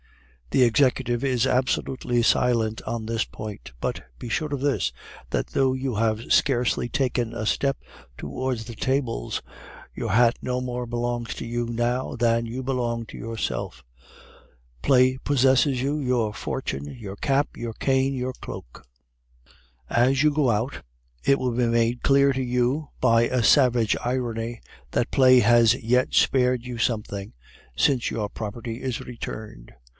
The executive is absolutely silent on this point. But be sure of this, that though you have scarcely taken a step towards the tables, your hat no more belongs to you now than you belong to yourself. Play possesses you, your fortune, your cap, your cane, your cloak. As you go out, it will be made clear to you, by a savage irony, that Play has yet spared you something, since your property is returned.